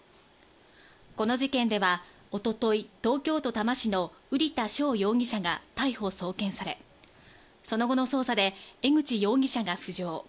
この事件では一昨日、東京都多摩市の瓜田翔容疑者が逮捕・送検され、その後の捜査で江口容疑者が浮上。